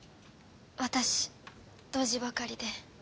私ドジばかりで。